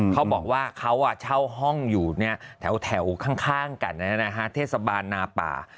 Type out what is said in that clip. เขาบอกว่าเขาเช่าห้องอยู่แถวข้างกันเทศบาลนาป่า